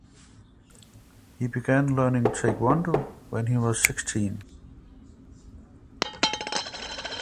He began learning taekwondo when he was sixteen.